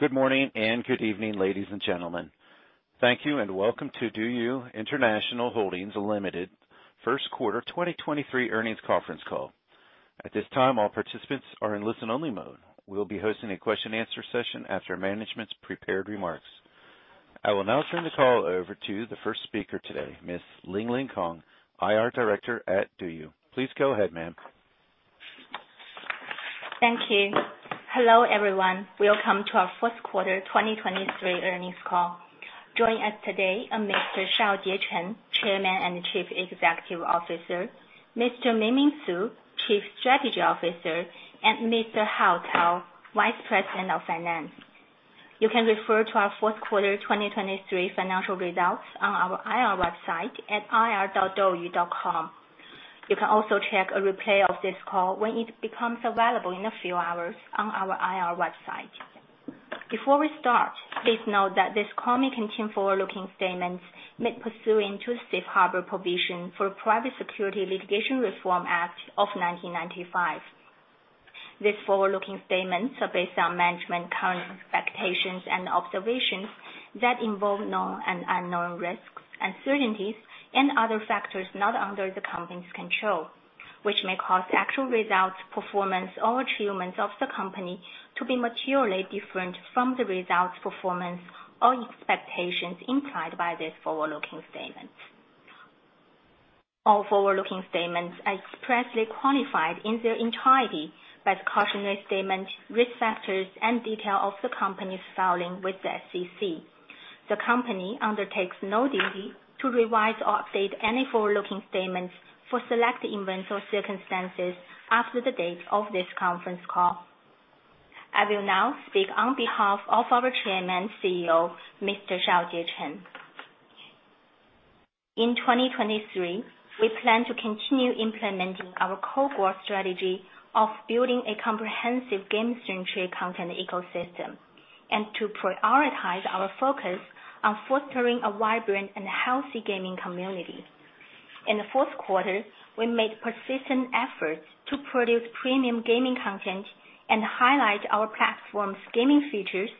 Good morning and good evening, ladies and gentlemen. Thank you and welcome to DouYu International Holdings Limited First Quarter 2023 Earnings Conference Call. At this time, all participants are in listen-only mode. We'll be hosting a question answer session after management's prepared remarks. I will now turn the call over to the first speaker today, Miss Lingling Kong, IR director at DouYu. Please go ahead, ma'am. Thank you. Hello, everyone. Welcome to our Fourth Quarter 2023 Earnings Call. Joining us today are Mr. Shaojie Chen, Chairman and Chief Executive Officer, Mr. Mingming Su, Chief Strategy Officer, and Mr. Hao Cao, Vice President of Finance. You can refer to our fourth quarter 2023 financial results on our IR website at ir.douyu.com. You can also check a replay of this call when it becomes available in a few hours on our IR website. Before we start, please note that this call may contain forward-looking statements made pursuant to Safe Harbor provision for Private Securities Litigation Reform Act of 1995. These forward-looking statements are based on management current expectations and observations that involve known and unknown risks, uncertainties and other factors not under the company's control, which may cause actual results, performance or achievements of the company to be materially different from the results, performance or expectations implied by these forward-looking statements. All forward-looking statements are expressly qualified in their entirety by the cautionary statement, risk factors and detail of the company's filing with the SEC. The company undertakes no duty to revise or update any forward-looking statements for select events or circumstances after the date of this conference call. I will now speak on behalf of our Chairman and CEO, Mr. Shaojie Chen. In 2023, we plan to continue implementing our core growth strategy of building a comprehensive game-centric content ecosystem, and to prioritize our focus on fostering a vibrant and healthy gaming community. In the fourth quarter, we made persistent efforts to produce premium gaming content and highlight our platform's gaming features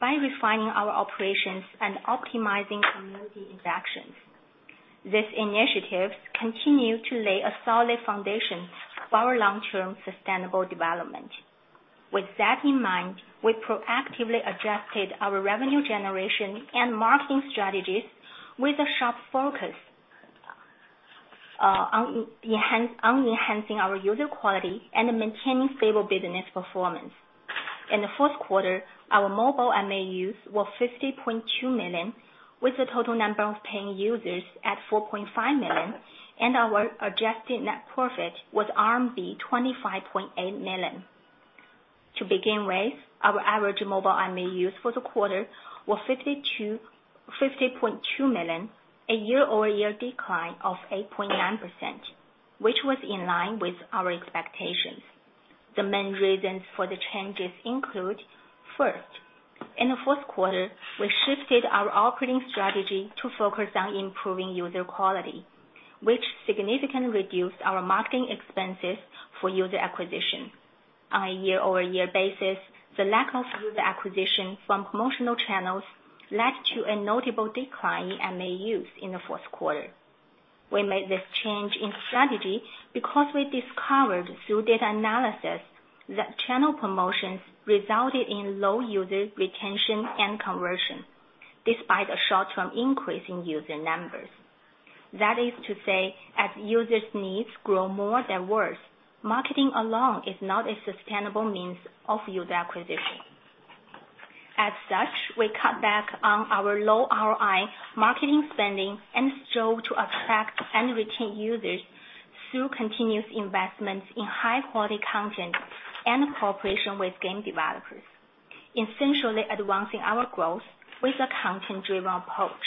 by refining our operations and optimizing community interactions. These initiatives continue to lay a solid foundation for our long-term sustainable development. With that in mind, we proactively adjusted our revenue generation and marketing strategies with a sharp focus on enhancing our user quality and maintaining stable business performance. In the fourth quarter, our mobile MAUs were 50.2 million, with the total number of paying users at 4.5 million, and our adjusted net profit was RMB 25.8 million. To begin with, our average mobile MAUs for the quarter were 50.2 million, a year-over-year decline of 8.9%, which was in line with our expectations. The main reasons for the changes include, first, in the fourth quarter, we shifted our operating strategy to focus on improving user quality, which significantly reduced our marketing expenses for user acquisition. On a year-over-year basis, the lack of user acquisition from promotional channels led to a notable decline in MAUs in the fourth quarter. We made this change in strategy because we discovered through data analysis that channel promotions resulted in low user retention and conversion, despite a short-term increase in user numbers. That is to say, as users' needs grow more diverse, marketing alone is not a sustainable means of user acquisition. As such, we cut back on our low ROI marketing spending and strove to attract and retain users through continuous investments in high-quality content and cooperation with game developers, essentially advancing our growth with a content-driven approach.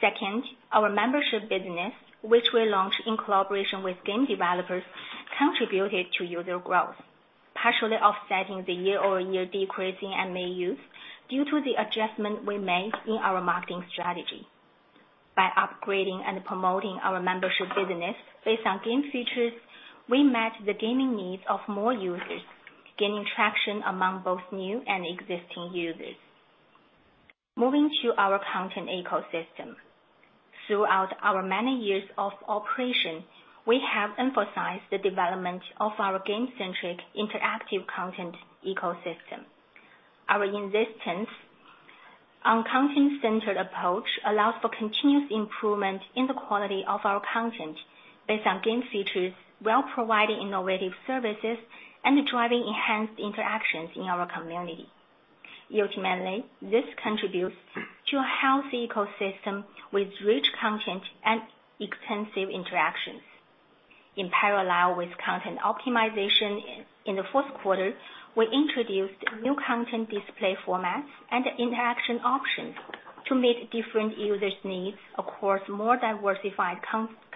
Second, our membership business, which we launched in collaboration with game developers, contributed to user growth, partially offsetting the year-over-year decrease in MAUs due to the adjustment we made in our marketing strategy. By upgrading and promoting our membership business based on game features, we met the gaming needs of more users, gaining traction among both new and existing users. Moving to our content ecosystem. Throughout our many years of operation, we have emphasized the development of our game-centric interactive content ecosystem. Our insistence on content-centered approach allows for continuous improvement in the quality of our content based on game features, while providing innovative services and driving enhanced interactions in our community. Ultimately, this contributes to a healthy ecosystem with rich content and extensive interactions. In parallel with content optimization in the fourth quarter, we introduced new content display formats and interaction options to meet different users' needs across more diversified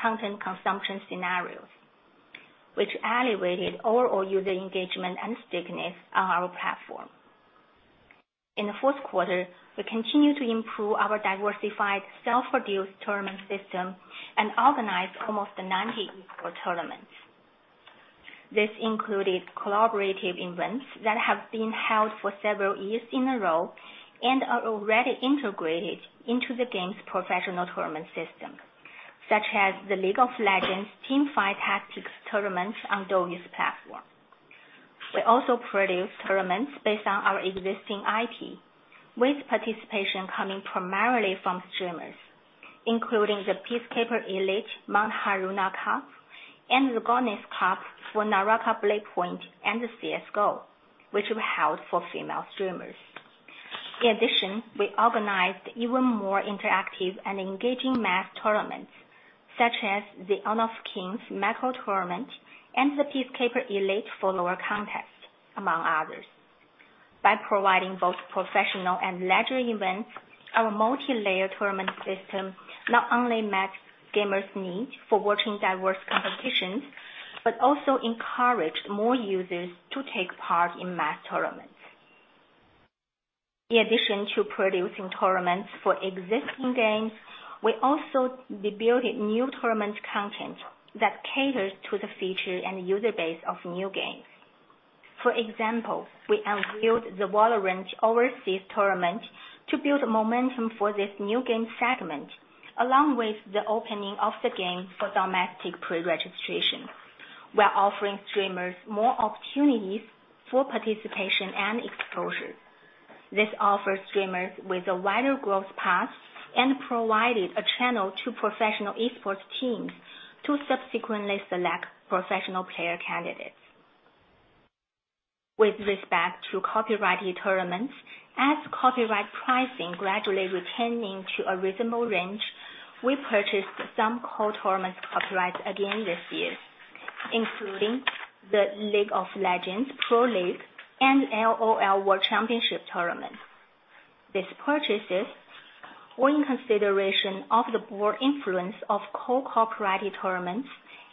content consumption scenarios, which elevated overall user engagement and stickiness on our platform. In the fourth quarter, we continued to improve our diversified self-produced tournament system and organized almost 90 esports tournaments. This included collaborative events that have been held for several years in a row, and are already integrated into the game's professional tournament system, such as the League of Legends Teamfight Tactics tournaments on DouYu's platform. We also produced tournaments based on our existing IP, with participation coming primarily from streamers, including the Peacekeeper Elite Mount Haruna Cup and the Goddess Cup for NARAKA: BLADEPOINT and CS:GO, which we held for female streamers. In addition, we organized even more interactive and engaging mass tournaments such as the Honor of Kings Macro Tournament and the Peacekeeper Elite follower contest, among others. By providing both professional and leisure events, our multilayer tournament system not only met gamers' needs for watching diverse competitions, but also encouraged more users to take part in mass tournaments. In addition to producing tournaments for existing games, we also debuted new tournament content that caters to the feature and user base of new games. For example, we unveiled the VALORANT Overseas Tournament to build momentum for this new game segment, along with the opening of the game for domestic pre-registration. We're offering streamers more opportunities for participation and exposure. This offers streamers with a wider growth path and provided a channel to professional esports teams to subsequently select professional player candidates. With respect to copyrighted tournaments, as copyright pricing gradually returning to a reasonable range, we purchased some core tournaments copyrights again this year, including the League of Legends Pro League and LOL World Championship Tournament. These purchases were in consideration of the broad influence of core copyrighted tournaments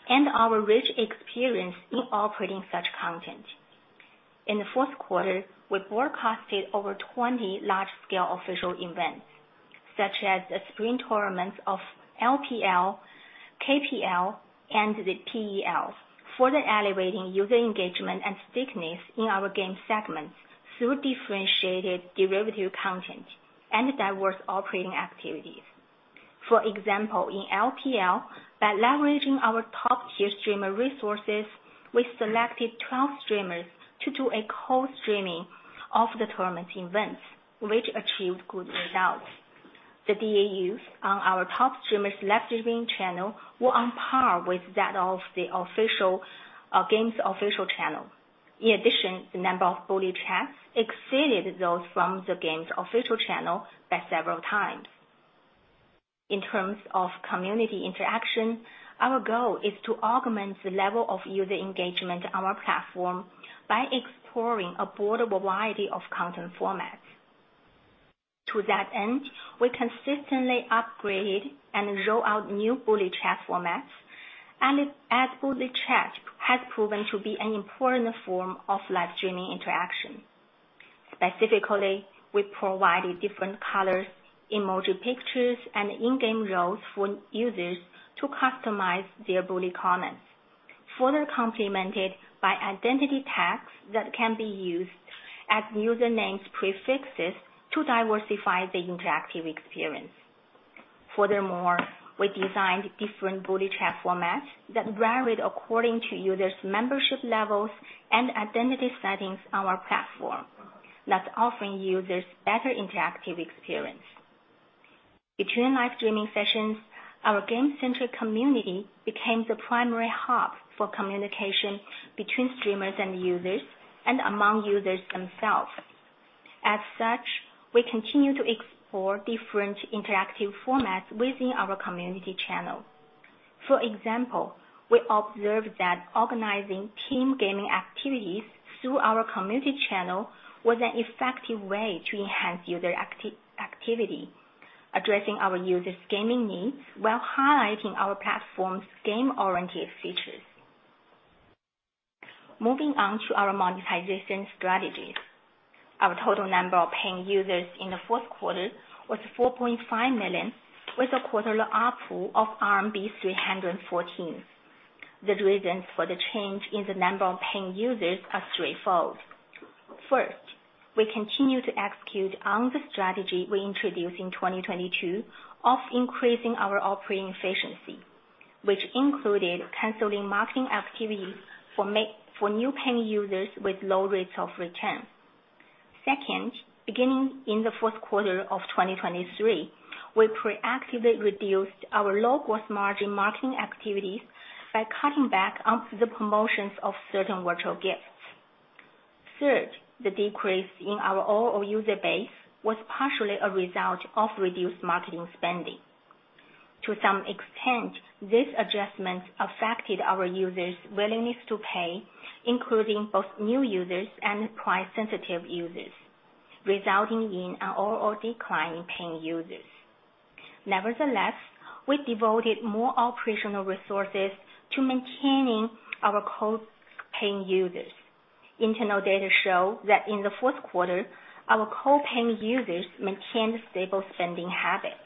and our rich experience in operating such content. In the fourth quarter, we broadcasted over 20 large-scale official events such as the spring tournaments of LPL, KPL, and the PEL, further elevating user engagement and stickiness in our game segments through differentiated derivative content and diverse operating activities. For example, in LPL, by leveraging our top-tier streamer resources, we selected 12 streamers to do a co-streaming of the tournament events, which achieved good results. The DAUs on our top streamer live streaming channel were on par with that of the official game's official channel. In addition, the number of bullet chats exceeded those from the game's official channel by several times. In terms of community interaction, our goal is to augment the level of user engagement on our platform by exploring a broader variety of content formats. To that end, we consistently upgraded and roll out new bullet chat formats, and as bullet chat has proven to be an important form of live streaming interaction. Specifically, we provided different colors, emoji pictures, and in-game roles for users to customize their bullet comments, further complemented by identity tags that can be used as usernames prefixes to diversify the interactive experience. Furthermore, we designed different bullet chat formats that varied according to users' membership levels and identity settings on our platform, thus offering users better interactive experience. Between live streaming sessions, our game-centric community became the primary hub for communication between streamers and users, and among users themselves. As such, we continue to explore different interactive formats within our community channel. For example, we observed that organizing team gaming activities through our community channel was an effective way to enhance user activity, addressing our users' gaming needs while highlighting our platform's game-oriented features. Moving on to our monetization strategies. Our total number of paying users in the fourth quarter was 4.5 million, with a quarterly ARPU of RMB 314. The reasons for the change in the number of paying users are threefold. First, we continue to execute on the strategy we introduced in 2022 of increasing our operating efficiency, which included canceling marketing activities for new paying users with low rates of return. Second, beginning in the fourth quarter of 2023, we proactively reduced our low gross margin marketing activities by cutting back on the promotions of certain virtual gifts. Third, the decrease in our overall user base was partially a result of reduced marketing spending. To some extent, this adjustment affected our users' willingness to pay, including both new users and price-sensitive users, resulting in an overall decline in paying users. Nevertheless, we devoted more operational resources to maintaining our core paying users. Internal data show that in the fourth quarter, our core paying users maintained stable spending habits,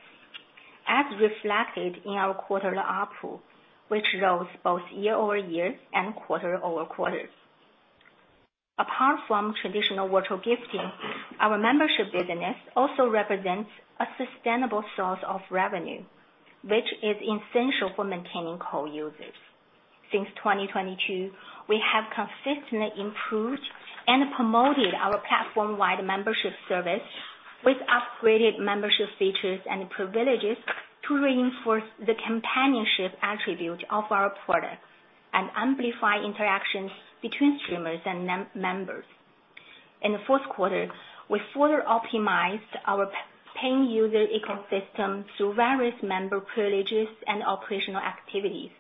as reflected in our quarterly ARPU, which rose both year-over-year and quarter-over-quarter. Apart from traditional virtual gifting, our membership business also represents a sustainable source of revenue, which is essential for maintaining core users. Since 2022, we have consistently improved and promoted our platform-wide membership service with upgraded membership features and privileges to reinforce the companionship attribute of our products and amplify interactions between streamers and members. In the fourth quarter, we further optimized our paying user ecosystem through various member privileges and operational activities,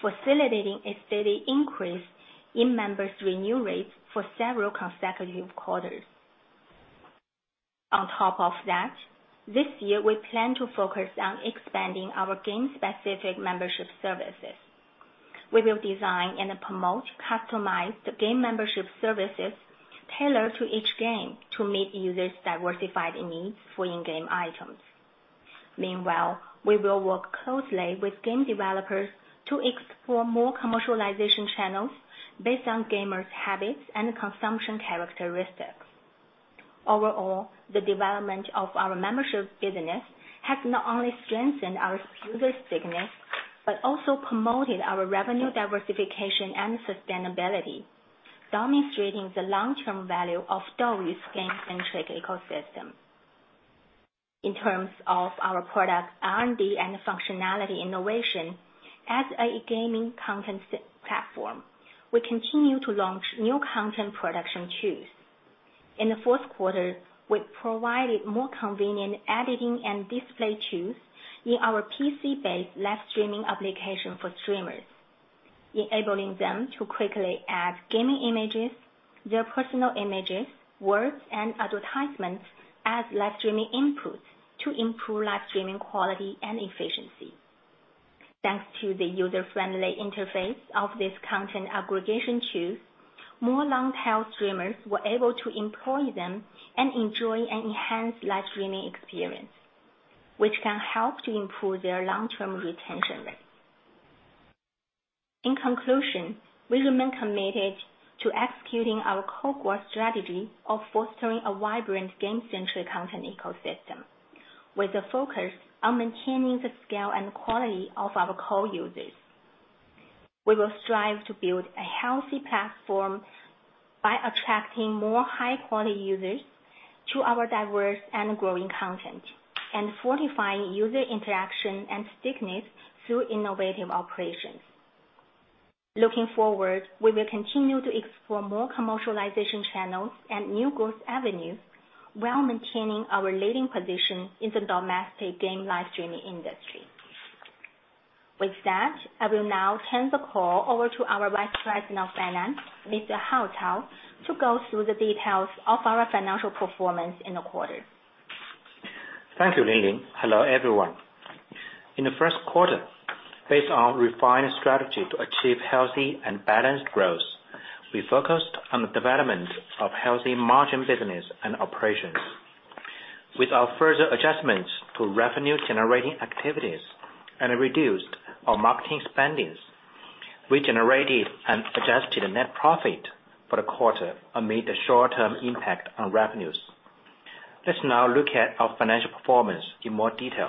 facilitating a steady increase in members' renew rates for several consecutive quarters. On top of that, this year we plan to focus on expanding our game-specific membership services. We will design and promote customized game membership services tailored to each game to meet users' diversified needs for in-game items. Meanwhile, we will work closely with game developers to explore more commercialization channels based on gamers' habits and consumption characteristics. Overall, the development of our membership business has not only strengthened our user stickiness, but also promoted our revenue diversification and sustainability, demonstrating the long-term value of DouYu's game-centric ecosystem. In terms of our product R&D and functionality innovation, as a gaming content platform, we continue to launch new content production tools. In the fourth quarter, we provided more convenient editing and display tools in our PC-based live streaming application for streamers, enabling them to quickly add gaming images, their personal images, words, and advertisements as live streaming inputs to improve live streaming quality and efficiency. Thanks to the user-friendly interface of this content aggregation tool, more long-tail streamers were able to employ them and enjoy an enhanced live streaming experience, which can help to improve their long-term retention rate. In conclusion, we remain committed to executing our core growth strategy of fostering a vibrant game-centric content ecosystem with a focus on maintaining the scale and quality of our core users. We will strive to build a healthy platform by attracting more high quality users to our diverse and growing content, and fortifying user interaction and stickiness through innovative operations. Looking forward, we will continue to explore more commercialization channels and new growth avenues while maintaining our leading position in the domestic game live streaming industry. With that, I will now turn the call over to our Vice President of Finance, Mr. Hao Cao, to go through the details of our financial performance in the quarter. Thank you, Lingling. Hello, everyone. In the first quarter, based on refined strategy to achieve healthy and balanced growth, we focused on the development of healthy margin business and operations. With our further adjustments to revenue generating activities and a reduced on marketing spendings, we generated an adjusted net profit for the quarter amid the short-term impact on revenues. Let's now look at our financial performance in more detail.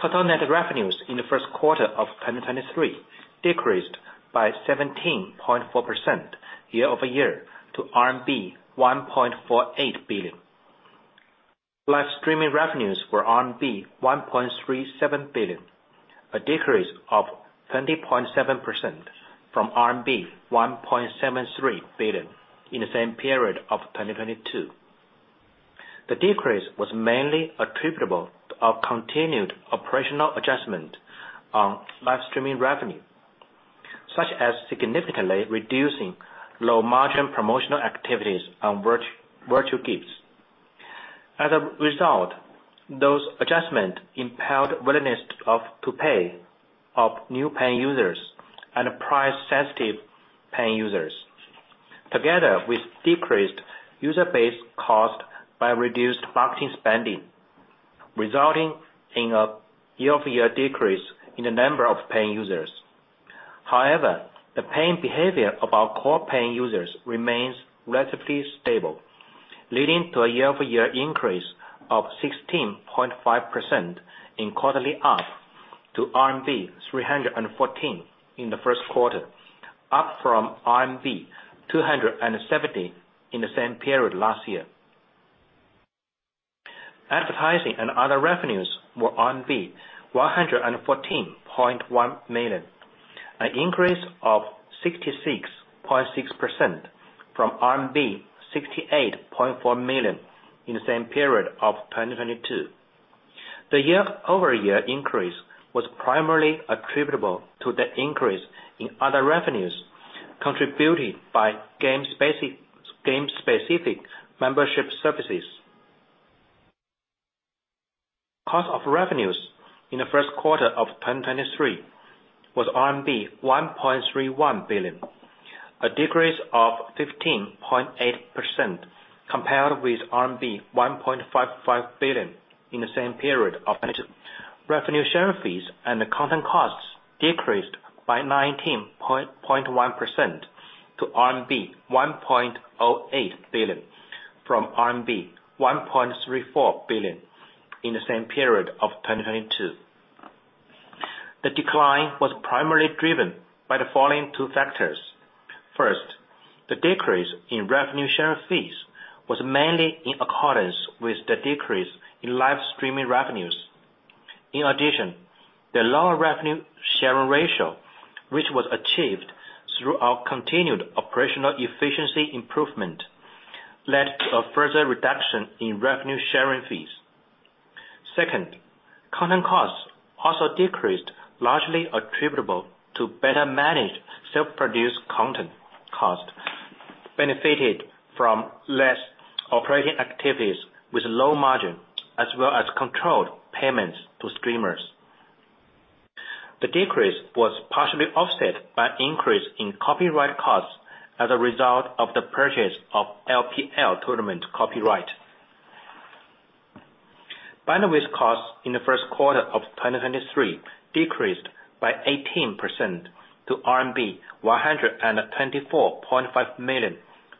Total net revenues in the first quarter of 2023 decreased by 17.4% year-over-year to RMB 1.48 billion. Live streaming revenues were RMB 1.37 billion, a decrease of 20.7% from RMB 1.73 billion in the same period of 2022. The decrease was mainly attributable to our continued operational adjustment on live streaming revenue, such as significantly reducing low margin promotional activities on virtual gifts. As a result, those adjustment impaired willingness of to pay of new paying users and price sensitive paying users, together with decreased user base caused by reduced marketing spending, resulting in a year-over-year decrease in the number of paying users. However, the paying behavior of our core paying users remains relatively stable, leading to a year-over-year increase of 16.5% in quarterly ARPU to RMB 314 in the first quarter, up from RMB 270 in the same period last year. Advertising and other revenues were 114.1 million, an increase of 66.6% from RMB 68.4 million in the same period of 2022. The year-over-year increase was primarily attributable to the increase in other revenues contributed by game-specific membership services. Cost of revenues in the first quarter of 2023 was RMB 1.31 billion, a decrease of 15.8% compared with RMB 1.55 billion in the same period. Revenue share fees and the content costs decreased by 19.1% to RMB 1.08 billion, from RMB 1.34 billion in the same period of 2022. The decline was primarily driven by the following two factors. First, the decrease in revenue sharing fees was mainly in accordance with the decrease in live streaming revenues. The lower revenue sharing ratio, which was achieved through our continued operational efficiency improvement, led to a further reduction in revenue sharing fees. Second, content costs also decreased, largely attributable to better managed self-produced content cost, benefited from less operating activities with low margin, as well as controlled payments to streamers. The decrease was partially offset by increase in copyright costs as a result of the purchase of LPL tournament copyright. Bandwidth costs in the first quarter of 2023 decreased by 18% to RMB 124.5 million,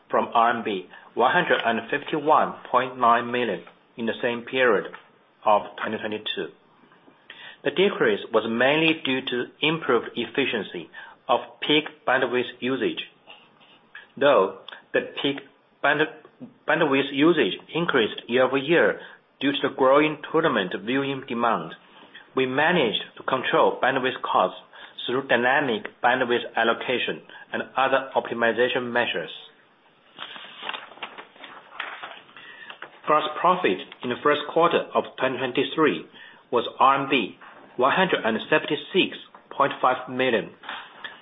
from RMB 151.9 million in the same period of 2022. The decrease was mainly due to improved efficiency of peak bandwidth usage. Though the peak bandwidth usage increased year-over-year due to the growing tournament viewing demand, we managed to control bandwidth costs through dynamic bandwidth allocation and other optimization measures. Gross profit in the first quarter of 2023 was RMB 176.5 million,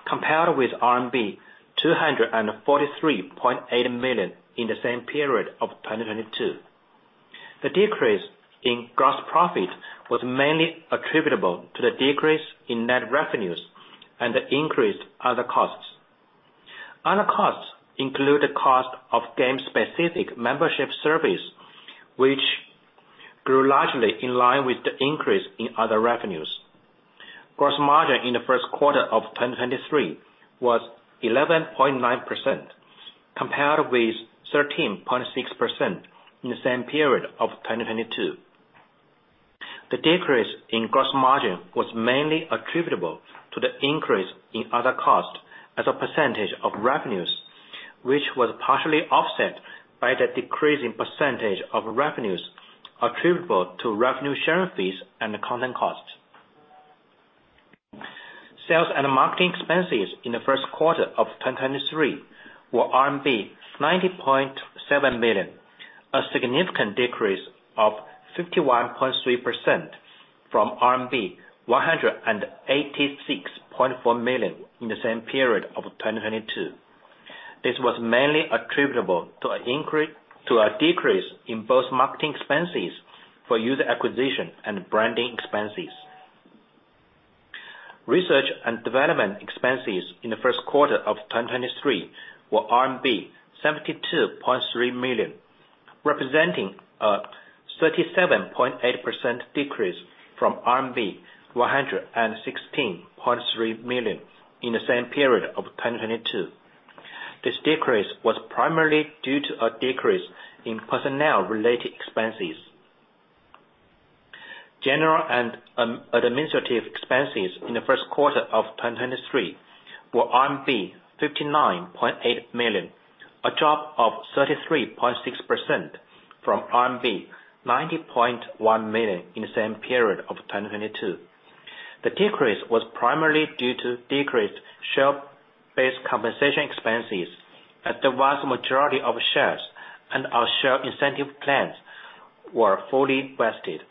compared with RMB 243.8 million in the same period of 2022. The decrease in gross profit was mainly attributable to the decrease in net revenues and the increased other costs. Other costs include the cost of game specific membership service, which grew largely in line with the increase in other revenues. Gross margin in the first quarter of 2023 was 11.9% compared with 13.6% in the same period of 2022. The decrease in gross margin was mainly attributable to the increase in other costs as a percentage of revenues, which was partially offset by the decrease in percentage of revenues attributable to revenue sharing fees and content costs. Sales and marketing expenses in the first quarter of 2023 were RMB 90.7 million, a significant decrease of 51.3% from RMB 186.4 million in the same period of 2022. This was mainly attributable to a decrease in both marketing expenses for user acquisition and branding expenses. Research and development expenses in the first quarter of 2023 were RMB 72.3 million, representing a 37.8% decrease from RMB 116.3 million in the same period of 2022. This decrease was primarily due to a decrease in personnel-related expenses. General and administrative expenses in the first quarter of 2023 were 59.8 million, a drop of 33.6% from RMB 90.1 million in the same period of 2022. The decrease was primarily due to decreased share-based compensation expenses, as the vast majority of shares and our share incentive plans were fully vested.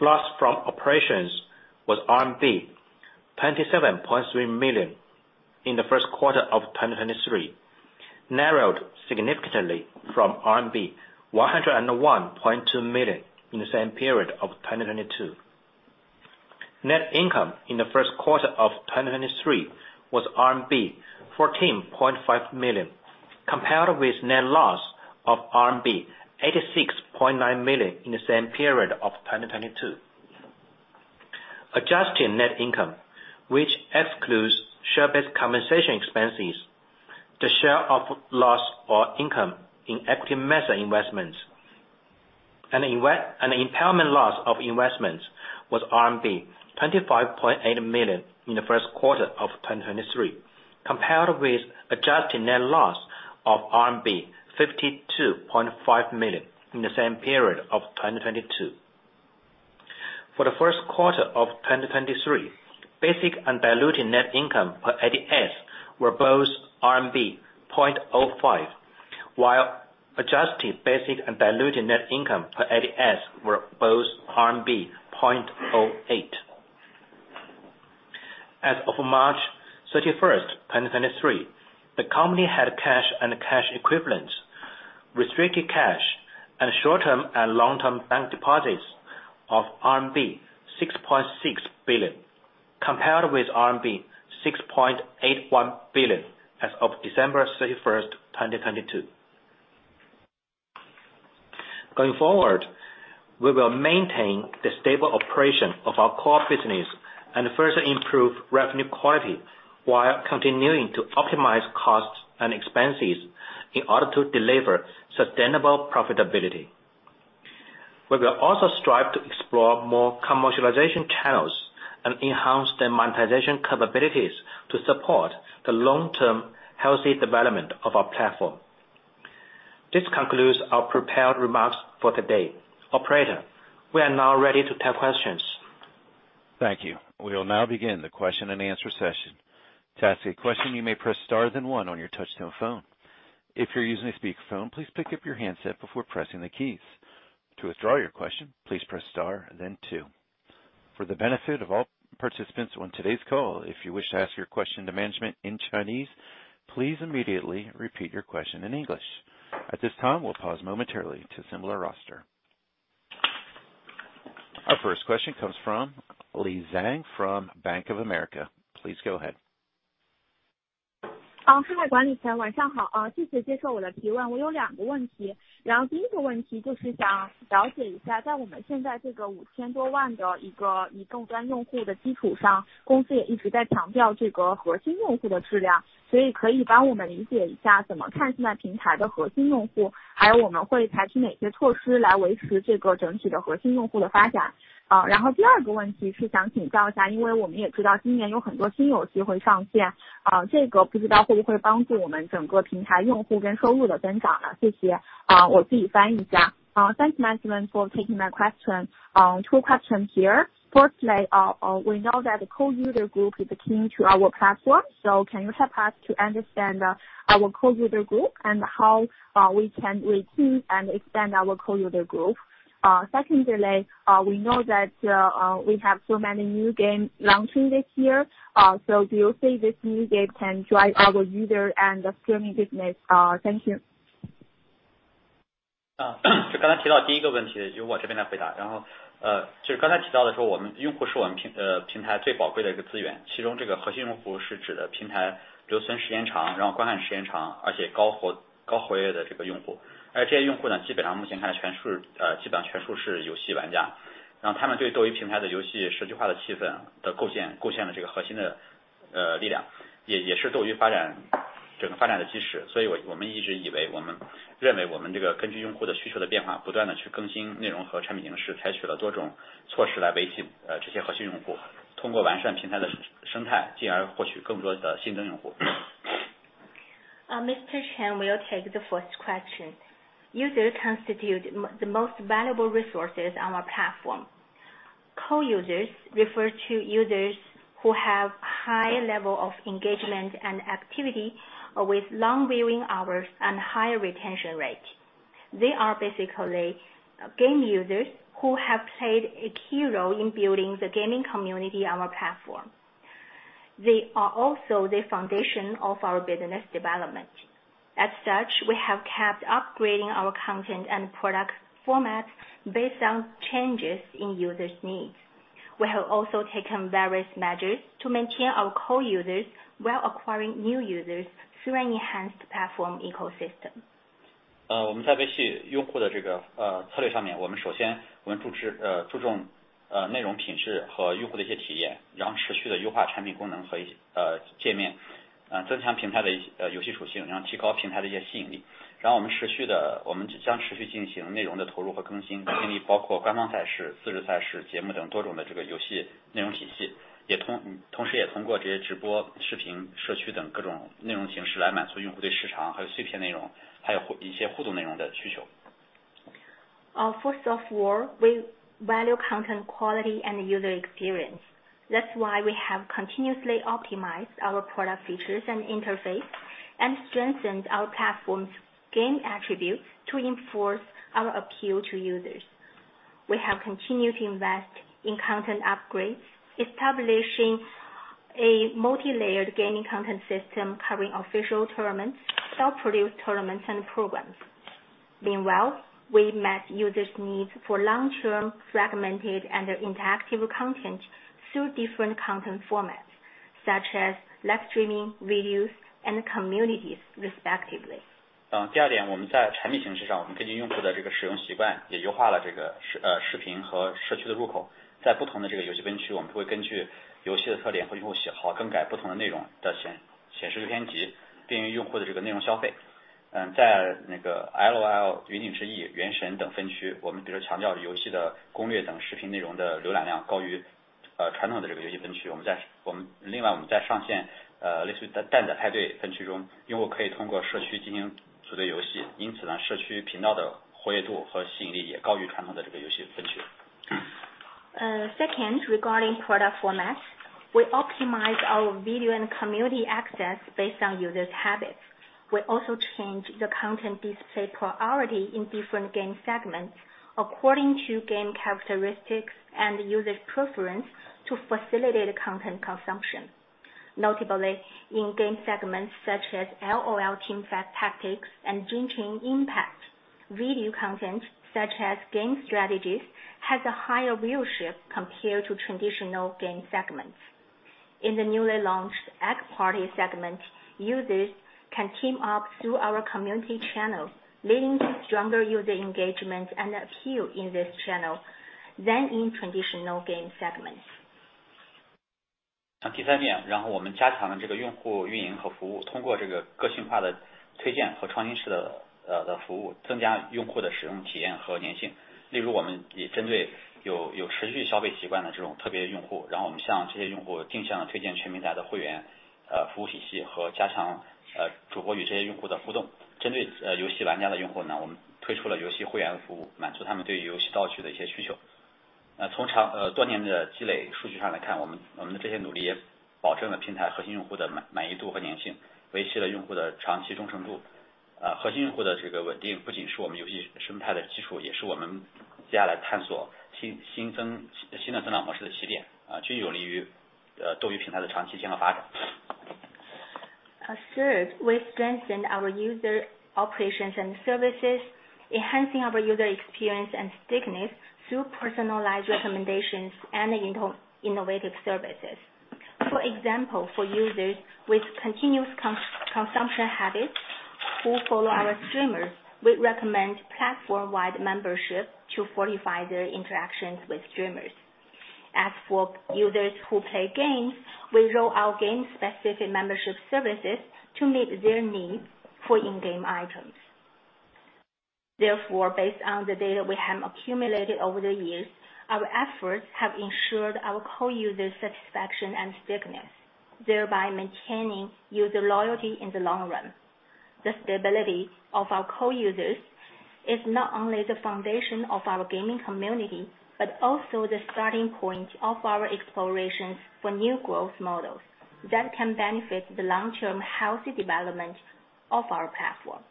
Loss from operations was RMB 27.3 million in the first quarter of 2023, narrowed significantly from RMB 101.2 million in the same period of 2022. Net income in the first quarter of 2023 was RMB 14.5 million, compared with net loss of RMB 86.9 million in the same period of 2022. Adjusted net income, which excludes share-based compensation expenses, the share of loss or income in active method investments, an impairment loss of investments was RMB 25.8 million in the first quarter of 2023, compared with adjusted net loss of RMB 52.5 million in the same period of 2022. For the first quarter of 2023, basic and diluted net income per ADS were both RMB 0.05, while adjusted basic and diluted net income per ADS were both RMB 0.08. As of 31st March, 2023, the company had cash and cash equivalents, restricted cash, and short-term and long-term bank deposits of RMB 6.6 billion, compared with RMB 6.81 billion as of 31st December, 2022. Going forward, we will maintain the stable operation of our core business and further improve revenue quality, while continuing to optimize costs and expenses in order to deliver sustainable profitability. We will also strive to explore more commercialization channels and enhance their monetization capabilities to support the long-term healthy development of our platform. This concludes our prepared remarks for today. Operator, we are now ready to take questions. Thank you. We will now begin the question-and-answer session. To ask a question, you may press star then one on your touchtone phone. If you're using a speakerphone, please pick up your handset before pressing the keys. To withdraw your question, please press star then two. For the benefit of all participants on today's call, if you wish to ask your question to management in Chinese, please immediately repeat your question in English. At this time, we'll pause momentarily to assemble our roster. Our first question comes from Lei Zhang from Bank of America. Please go ahead. Hi, Chen. Thanks maximum for taking my question. Two questions here. Firstly, we know that the core user group is the key to our platform, so can you help us to understand our core user group and how we can retain and expand our core user group? Secondly, we know that we have so many new games launching this year. Do you think this new game can drive our user and the streaming business? Thank you. Mr. Chen will take the first question. Users constitute the most valuable resources on our platform. Core users refer to users who have high level of engagement and activity with long viewing hours and high retention rate. They are basically game users who have played a key role in building the gaming community on our platform. They are also the foundation of our business development. As such, we have kept upgrading our content and product format based on changes in users' needs. We have also taken various measures to maintain our core users while acquiring new users through an enhanced platform ecosystem. First of all, we value content quality and user experience. That's why we have continuously optimized our product features and interface and strengthened our platform's game attributes to enforce our appeal to users. We have continued to invest in content upgrades, establishing a multi-layered gaming content system covering official tournaments, self-produced tournaments and programs. Meanwhile, we met users' needs for long-term fragmented and interactive content through different content formats such as live streaming, reviews, and communities respectively. 传统的这个游戏分区我们在我们另外我们在上线类似于蛋仔派对分区中用户可以通过社区进行组队游戏因此呢社区频道的活跃度和吸引力也高于传统的这个游戏分 区. Second, regarding product formats, we optimize our video and community access based on users' habits. We also change the content display priority in different game segments according to game characteristics and user preference to facilitate content consumption. Notably, in game segments such as Teamfight Tactics and Genshin Impact, video content such as game strategies has a higher viewership compared to traditional game segments. In the newly launched Eggy Party segment, users can team up through our community channel, leading to stronger user engagement and appeal in this channel than in traditional game segments. 那第三点然后我们加强了这个用户运营和服务通过这个个性化的推荐和创新式的呃的服务增加用户的使用体验和粘性例如我们也针对 有， 有持续消费习惯的这种特别用户然后我们向这些用户定向地推荐全平台的会员呃服务体系和加强呃主播与这些用户的互动针对呃游戏玩家的用户呢我们推出了游戏会员服务满足他们对于游戏道具的一些需求那从长--呃多年的积累数据上来看我 们， 我们的这些努力也保证了平台核心用户的 满， 满意度和粘性维系了用户的长期忠诚度呃核心用户的这个稳定不仅是我们游戏生态的基础也是我们接下来探索 新， 新 增， 新， 新的增长模式的起点啊均有利于呃斗鱼平台的长期健康发展 Third, we strengthened our user operations and services, enhancing our user experience and stickiness through personalized recommendations and innovative services. For example, for users with continuous consumption habits who follow our streamers, we recommend platform wide membership to fortify their interactions with streamers. As for users who play games, we roll out game specific membership services to meet their needs for in-game items. Based on the data we have accumulated over the years, our efforts have ensured our core users satisfaction and stickiness, thereby maintaining user loyalty in the long run. The stability of our core users is not only the foundation of our gaming community, but also the starting point of our explorations for new growth models that can benefit the long-term healthy development of our platform.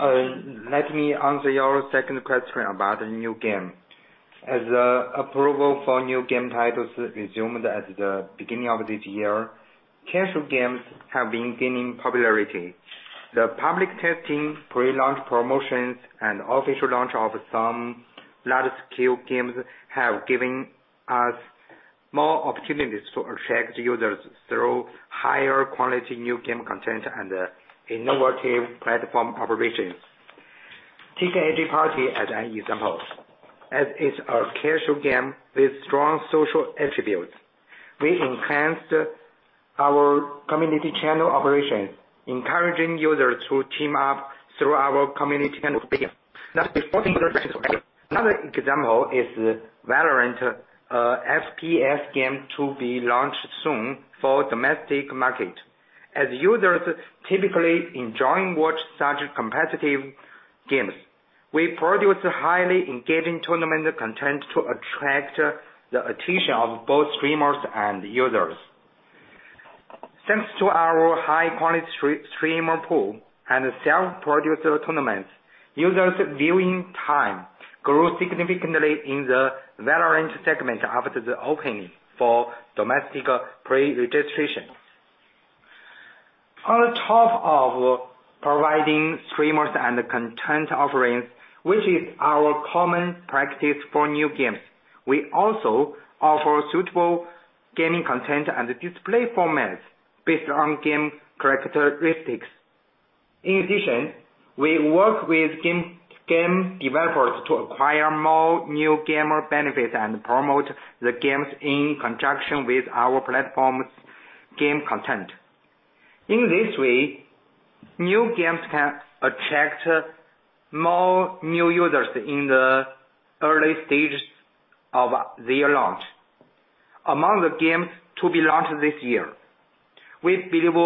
Let me answer your second question about the new game. As approval for new game titles resumed at the beginning of this year, casual games have been gaining popularity. The public testing, pre-launch promotions, and official launch of some large-scale games have given us more opportunities to attract users through higher quality new game content and innovative platform operations. Taking Eggy Party as an example, as it's a casual game with strong social attributes, we enhanced our community channel operations, encouraging users to team up through our community channel. Another example is VALORANT, a FPS game to be launched soon for domestic market. As users typically enjoy and watch such competitive games, we produce highly engaging tournament content to attract the attention of both streamers and users. Thanks to our high-quality streamer pool and self-produced tournaments, users viewing time grew significantly in the VALORANT segment after the opening for domestic pre-registration. On top of providing streamers and content offerings, which is our common practice for new games, we also offer suitable gaming content and display formats based on game characteristics. In addition, we work with game developers to acquire more new gamer benefits and promote the games in conjunction with our platform's game content. In this way, new games can attract more new users in the early stages of their launch. Among the games to be launched this year, we believe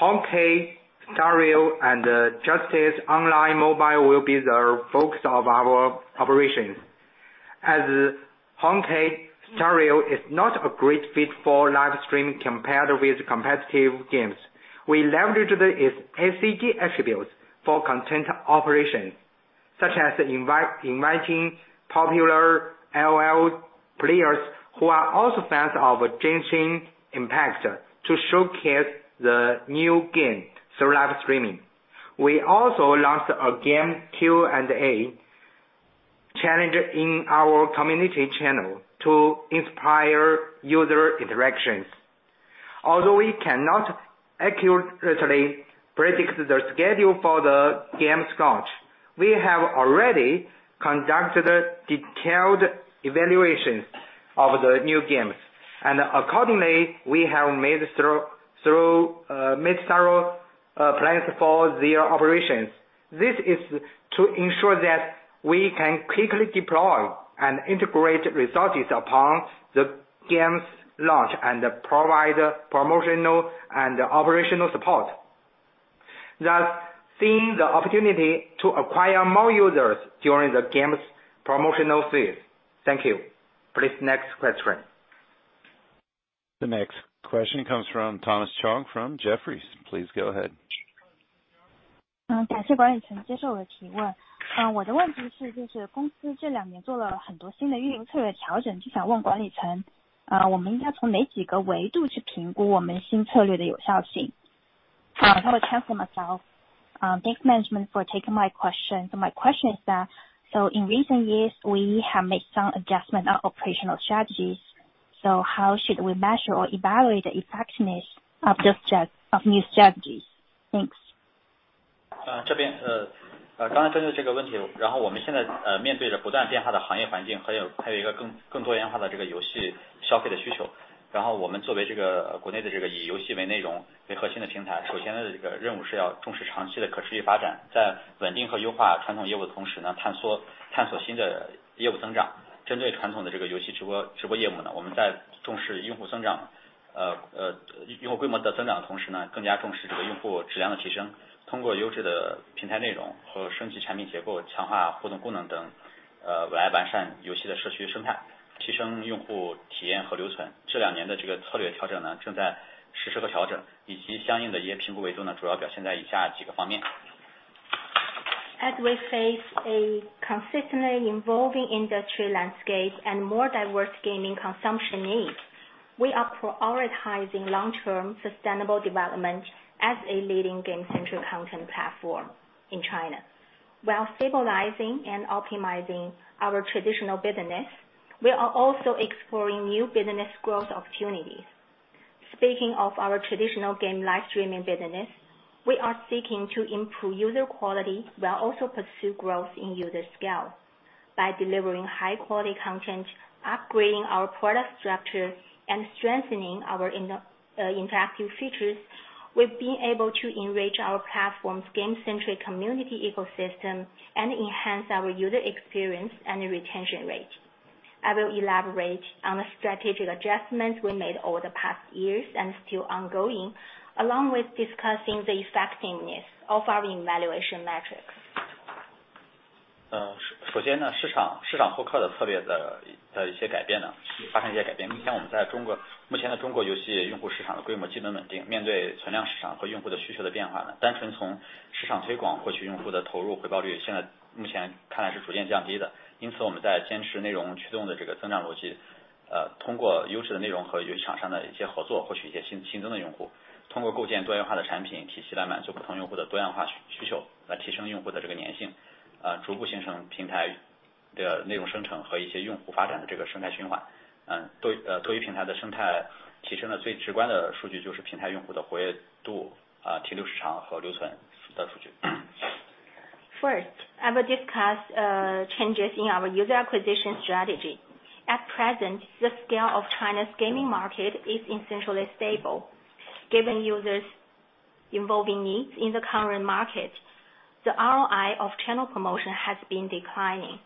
Honkai: Star Rail and Justice Mobile will be the focus of our operations. As Honkai: Star Rail is not a great fit for live streaming compared with competitive games. We leveraged its ACG attributes for content operations, such as inviting popular LoL players who are also fans of Genshin Impact to showcase the new game through live streaming. We also launched a game Q&A challenge in our community channel to inspire user interactions. Although we cannot accurately predict the schedule for the game's launch, we have already conducted detailed evaluations of the new games. Accordingly, we have made several plans for their operations. This is to ensure that we can quickly deploy and integrate resources upon the game's launch and provide promotional and operational support. Thus seeing the opportunity to acquire more users during the game's promotional phase. Thank you. Please. Next question. The next question comes from Thomas Chong from Jefferies. Please go ahead. 语。我的问题是，就是公司这两年做了很多新的运营策略调 整， 就想问管理 层， 我们应该从哪几个维度去评估我们新策略的有效性 ？I will translate myself. Thanks management for taking my question. My question is that, in recent years we have made some adjustment on operational strategies. How should we measure or evaluate the effectiveness of new strategies? Thanks. 这 边， 刚才针对这个问 题， 然后我们现在面对着不断变化的行业环 境， 还有一个更多元化的这个游戏消费的需 求， 然后我们作为这个国内的这个以游戏为内容为核心的平 台， 首先的这个任务是要重视长期的可持续发 展， 在稳定和优化传统业务的同时 呢， 探索新的业务增长。针对传统的这个游戏直播业务 呢， 我们在重视用户增 长， 用户规模的增长的同时呢 ，更 加重视这个用户质量的提升 ，通 过优质的平台内容和升级产品结 构， 强化互动功能 等， 来完善游戏的社区生 态， 提升用户体验和留存。这两年的这个策略调整 呢， 正在实施和调整以及相应的一些评估维度 呢， 主要表现在以下几个方面。As we face a consistently evolving industry landscape and more diverse gaming consumption needs, we are prioritizing long-term sustainable development as a leading game-centric content platform in China. While stabilizing and optimizing our traditional business, we are also exploring new business growth opportunities. Speaking of our traditional game live streaming business, we are seeking to improve user quality while also pursue growth in user scale. By delivering high quality content, upgrading our product structure, and strengthening our interactive features, we've been able to enrich our platform's game-centric community ecosystem and enhance our user experience and retention rate. I will elaborate on the strategic adjustments we made over the past years and still ongoing, along with discussing the effectiveness of our evaluation metrics. 首先 呢，市 场获客的策略的一些改变 呢，发 生一些改变。目前我们在中 国，目 前的中国游戏用户市场的规模基本稳 定，面 对存量市场和用户的需求的变化 呢，单 纯从市场推广获取用户的投入回报 率，现 在目前看来是逐渐降低的。我们在坚持内容驱动的这个增长逻 辑，通 过优质的内容和厂商的一些合 作，获 取一些新增的用 户， 通过构建多元化的产品体系来满足不同用户的多样化需 求，来 提升用户的这个粘 性，逐 步形成平台的内容生成和一些用户发展的这个生态循环。对于平台的生态提升的最直观的数据就是平台用户的活跃度、停留时长和留存的数 据。First, I will discuss changes in our user acquisition strategy. At present, the scale of China's gaming market is essentially stable. Given users' evolving needs in the current market, the ROI of channel promotion has been declining.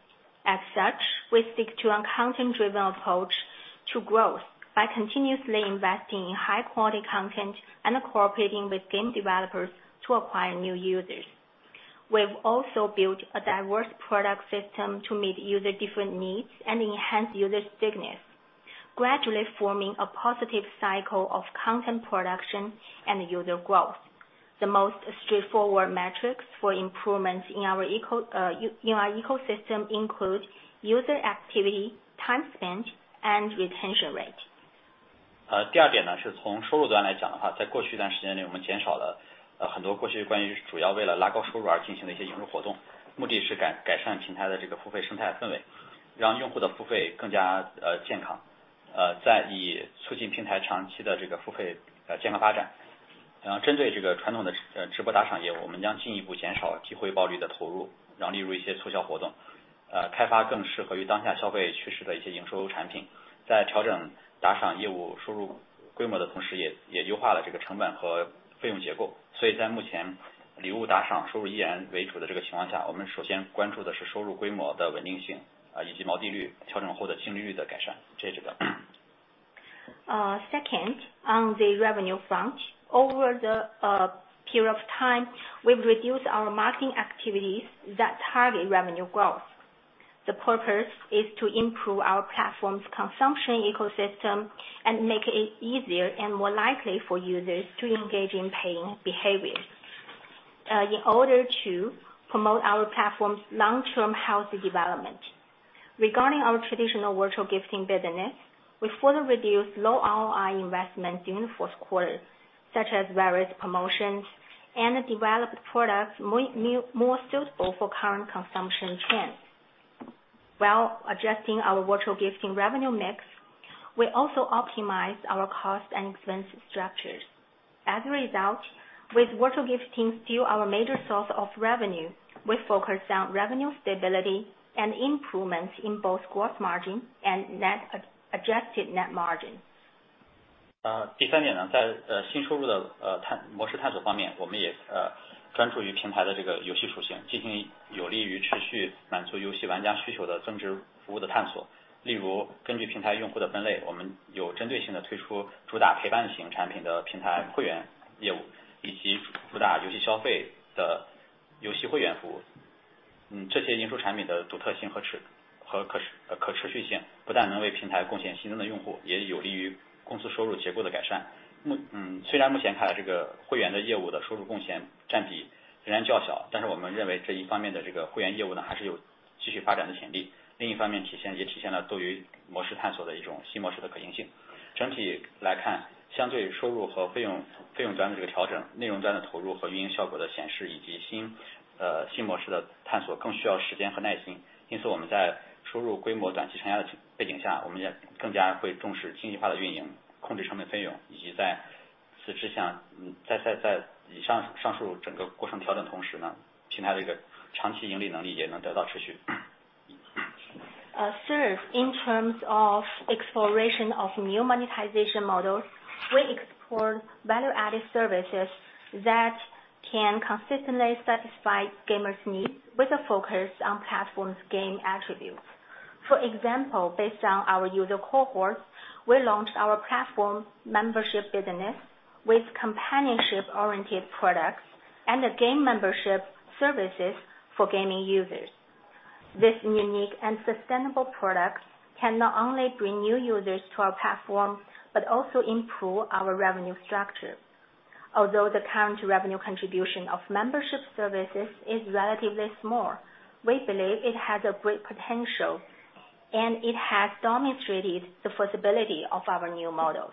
We stick to a content-driven approach to growth by continuously investing in high-quality content and cooperating with game developers to acquire new users. We've also built a diverse product system to meet users' different needs and enhance user stickiness, gradually forming a positive cycle of content production and user growth. The most straightforward metrics for improvements in our ecosystem include user activity, time spent, and retention rate. 第二点 呢， 是从收入端来讲的 话， 在过去一段时间 内， 我们减少了很多过去关于主要为了拉高收入而进行的一些营收活 动， 目的是改善平台的这个付费生态氛 围， 让用户的付费更加健康。在以促进平台长期的这个付费来健康发展。针对这个传统的直播打赏业 务， 我们将进一步减少低回报率的投 入， 例如一些促销活 动， 开发更适合于当下消费趋势的一些营收产 品， 在调整打赏业务收入规模的同 时， 也优化了这个成本和费用结构。在目前礼物打赏收入依然为主的这个情况 下， 我们首先关注的是收入规模的稳定 性， 以及毛利率调整后的净利率的改善。这几个。Second, on the revenue front, over the period of time, we've reduced our marketing activities that target revenue growth. The purpose is to improve our platform's consumption ecosystem and make it easier and more likely for users to engage in paying behaviors in order to promote our platform's long-term healthy development. Regarding our traditional virtual gifting business, we further reduced low ROI investment during the fourth quarter, such as various promotions and developed products more suitable for current consumption trends. While adjusting our virtual gifting revenue mix, we also optimized our cost and expense structures. As a result, with virtual gifting still our major source of revenue, we focus on revenue stability and improvements in both gross margin and adjusted net margin. Third, in terms of exploration of new monetization models, we explore value-added services that can consistently satisfy gamers' needs with a focus on platform's game attributes. For example, based on our user cohorts, we launched our platform membership business with companionship-oriented products and the game membership services for gaming users. This unique and sustainable product can not only bring new users to our platform, but also improve our revenue structure. Although the current revenue contribution of membership services is relatively small, we believe it has a great potential, and it has demonstrated the flexibility of our new models.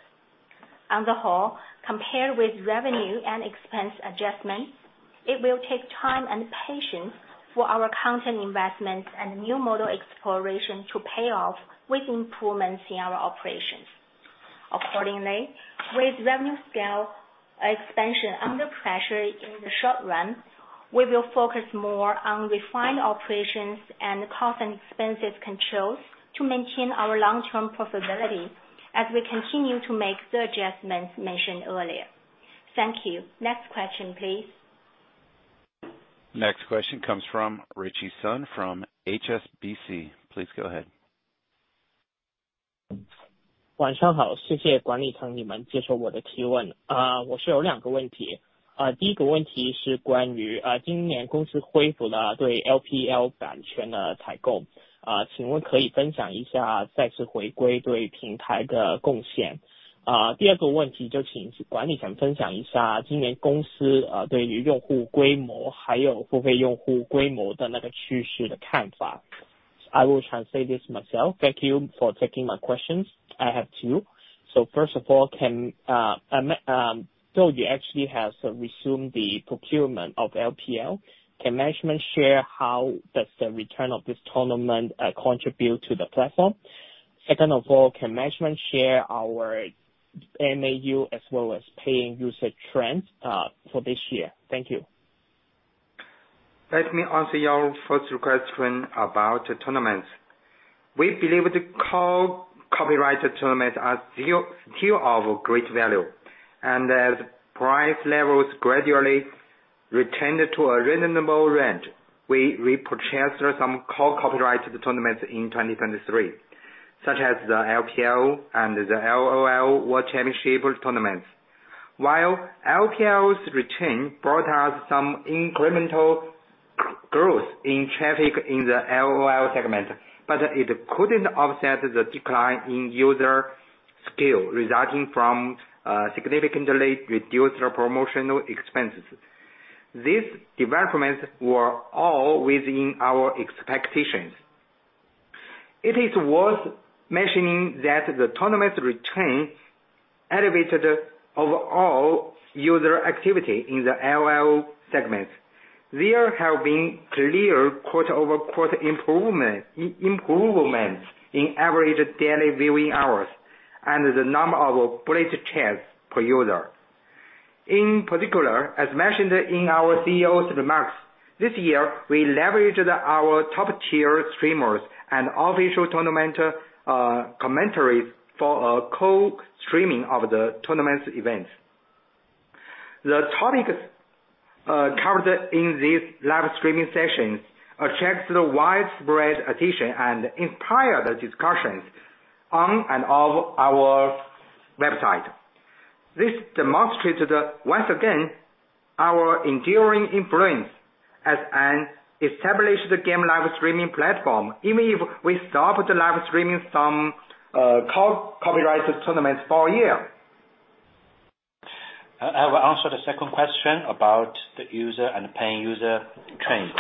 On the whole, compared with revenue and expense adjustments, it will take time and patience for our content investments and new model exploration to pay off with improvements in our operations. Accordingly, with revenue scale expansion under pressure in the short run, we will focus more on refined operations and cost and expenses controls to maintain our long-term profitability as we continue to make the adjustments mentioned earlier. Thank you. Next question, please. Next question comes from Ritchie Sun from HSBC. Please go ahead. I will translate this myself. Thank you for taking my questions. I have two. First of all, can DouYu actually has resumed the procurement of LPL. Can management share how does the return of this tournament contribute to the platform? Second of all, can management share our MAU as well as paying user trends for this year? Thank you. Let me answer your first question about tournaments. We believe the co-copyrighted tournaments are still of great value. As price levels gradually returned to a reasonable range, we repurchased some co-copyrighted tournaments in 2023, such as the LPL and the LOL World Championship tournaments. While LPL's return brought us some incremental growth in traffic in the LOL segment, but it couldn't offset the decline in user scale resulting from significantly reduced promotional expenses. These developments were all within our expectations. It is worth mentioning that the tournament return elevated overall user activity in the LOL segment. There have been clear quarter-over-quarter improvement in average daily viewing hours and the number of bullet chats per user. In particular, as mentioned in our CEO's remarks, this year we leveraged our top-tier streamers and official tournament commentaries for a co-streaming of the tournaments events. The topics, covered in these live streaming sessions attracts the widespread attention and inspired discussions on and off our website. This demonstrated once again our enduring influence as an established game live streaming platform, even if we stopped live streaming some co-copyrighted tournaments for a year. I will answer the second question about the user and paying user trends.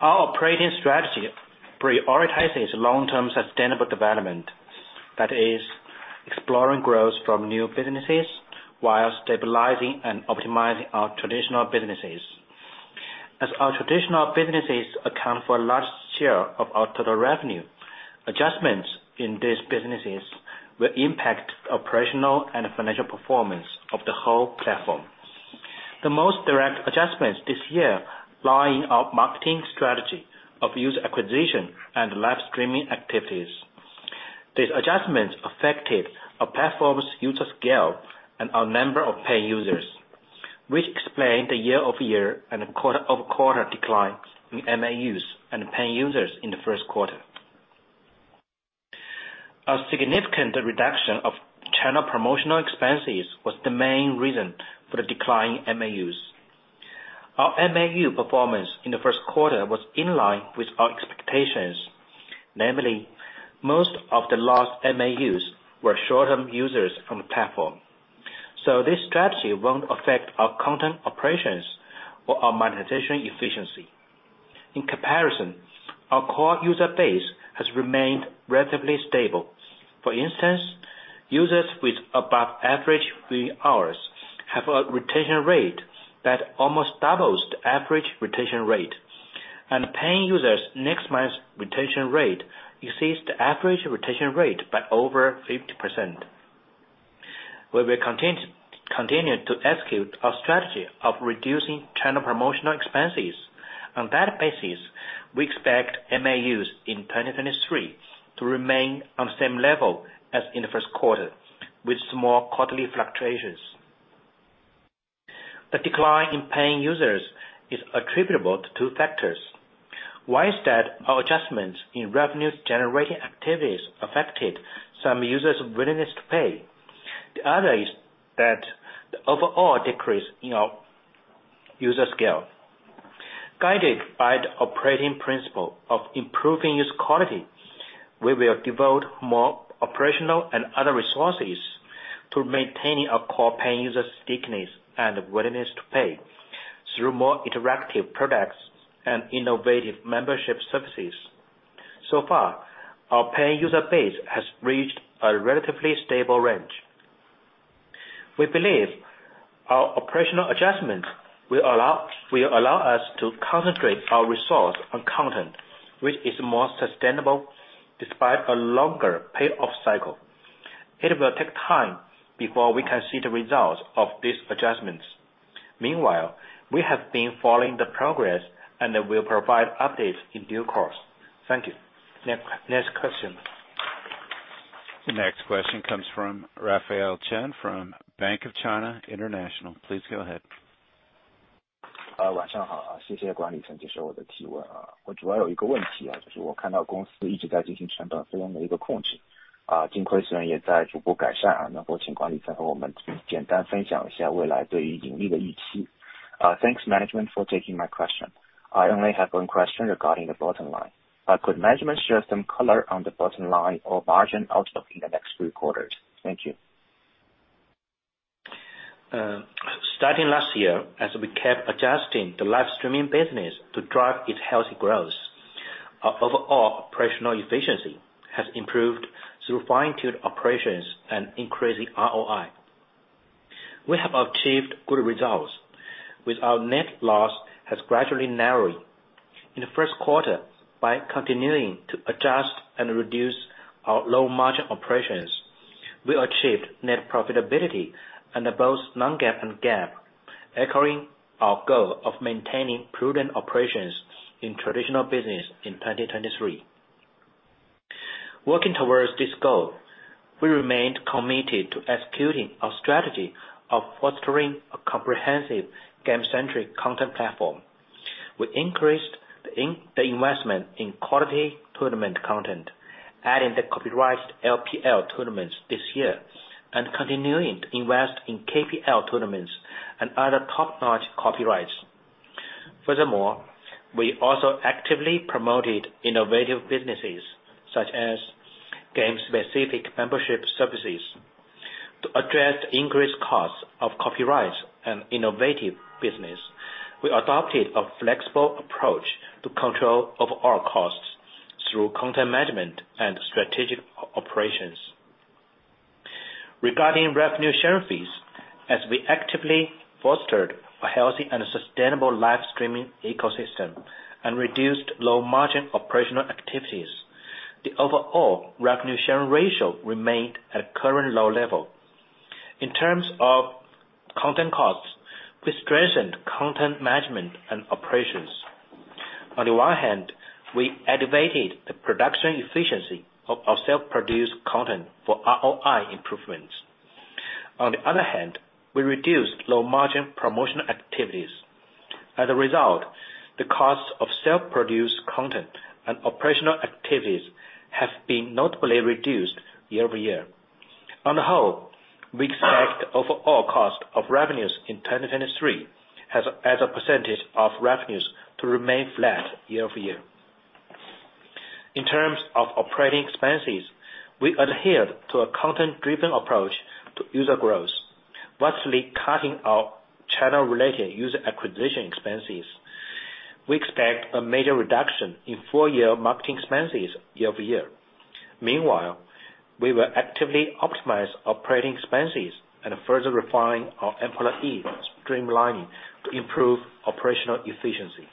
Our operating strategy prioritizes long-term sustainable development, that is exploring growth from new businesses while stabilizing and optimizing our traditional businesses. As our traditional businesses account for a large share of our total revenue, adjustments in these businesses will impact operational and financial performance of the whole platform. The most direct adjustments this year lie in our marketing strategy of user acquisition and live streaming activities. These adjustments affected our platform's user scale and our number of paying users, which explain the year-over-year and quarter-over-quarter decline in MAUs and paying users in the first quarter. A significant reduction of channel promotional expenses was the main reason for the decline in MAUs. Our MAU performance in the first quarter was in line with our expectations. Namely, most of the lost MAUs were short-term users on the platform. This strategy won't affect our content operations or our monetization efficiency. In comparison, our core user base has remained relatively stable. For instance, users with above average viewing hours have a retention rate that almost doubles the average retention rate. Paying users next month's retention rate exceeds the average retention rate by over 50%. We will continue to execute our strategy of reducing channel promotional expenses. On that basis, we expect MAUs in 2023 to remain on the same level as in the first quarter, with small quarterly fluctuations. The decline in paying users is attributable to two factors. One is that our adjustments in revenue-generating activities affected some users' willingness to pay. The other is that the overall decrease in our user scale. Guided by the operating principle of improving user quality, we will devote more operational and other resources to maintaining our core paying users stickiness and willingness to pay through more interactive products and innovative membership services. So far, our paying user base has reached a relatively stable range. We believe our operational adjustments will allow us to concentrate our resource on content which is more sustainable despite a longer payoff cycle. It will take time before we can see the results of these adjustments. Meanwhile, we have been following the progress, and we'll provide updates in due course. Thank you. Next question. The next question comes from Yiqun Chen from Bank of China International. Please go ahead. Thanks management for taking my question. I only have on question regarding the bottom line. Could management share some color on the bottom line or margin outlook in the next thre quarters? Thank you. Starting last year, as we kept adjusting the live streaming business to drive its healthy growth, our overall operational efficiency has improved through fine-tuned operations and increasing ROI. We have achieved good results with our net loss has gradually narrowing. In the first quarter, by continuing to adjust and reduce our low-margin operations, we achieved net profitability under both non-GAAP and GAAP, echoing our goal of maintaining prudent operations in traditional business in 2023. Working towards this goal, we remained committed to executing our strategy of fostering a comprehensive game-centric content platform. We increased the investment in quality tournament content, adding the copyrighted LPL tournaments this year and continuing to invest in KPL tournaments and other top-notch copyrights. We also actively promoted innovative businesses such as game-specific membership services. To address increased costs of copyrights and innovative business, we adopted a flexible approach to control overall costs through content management and strategic operations. Regarding revenue share fees, as we actively fostered a healthy and sustainable live streaming ecosystem and reduced low-margin operational activities, the overall revenue sharing ratio remained at a current low level. In terms of content costs, we strengthened content management and operations. On the one hand, we elevated the production efficiency of our self-produced content for ROI improvements. On the other hand, we reduced low-margin promotional activities. As a result, the cost of self-produced content and operational activities have been notably reduced year-over-year. On the whole, we expect overall cost of revenues in 2023 as a % of revenues to remain flat year-over-year. In terms of operating expenses, we adhered to a content-driven approach to user growth, vastly cutting our channel-related user acquisition expenses. We expect a major reduction in full year marketing expenses year-over-year. Meanwhile, we will actively optimize operating expenses and further refine our employee streamlining to improve operational efficiency.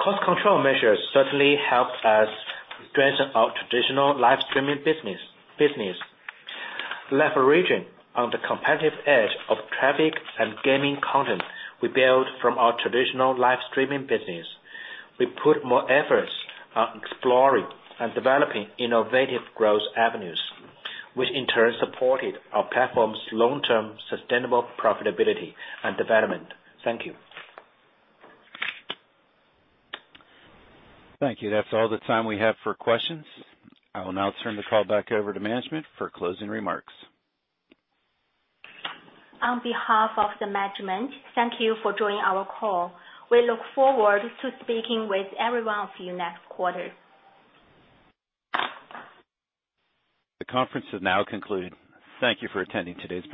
Cost control measures certainly helped us strengthen our traditional live streaming business. Leveraging on the competitive edge of traffic and gaming content we build from our traditional live streaming business, we put more efforts on exploring and developing innovative growth avenues, which in turn supported our platform's long-term sustainable profitability and development. Thank you. Thank you. That's all the time we have for questions. I will now turn the call back over to management for closing remarks. On behalf of the management, thank you for joining our call. We look forward to speaking with every one of you next quarter. The conference is now concluded. Thank you for attending today's presentation.